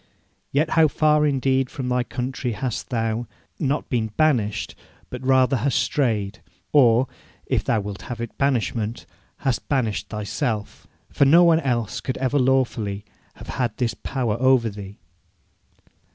Yet how far indeed from thy country hast thou, not been banished, but rather hast strayed; or, if thou wilt have it banishment, hast banished thyself! For no one else could ever lawfully have had this power over thee.